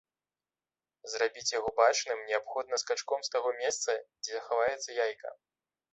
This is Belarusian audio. Зрабіць яго бачным неабходна скачком з таго месца, дзе хаваецца яйка.